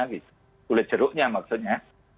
kulit jeruknya maksudnya